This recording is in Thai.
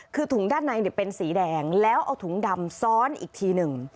คือถุงด้านในเป็นสีแดงแล้วเอาถุงดำซ้อนอีกทีหนึ่ง